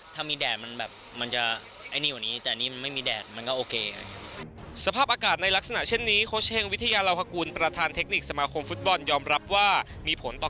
ถ้ามีแดดมันแบบมันจะไอ้นี่กว่านี้